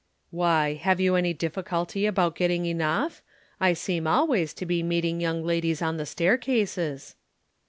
"Why, have you any difficulty about getting enough? I seem always to be meeting young ladies on the staircases."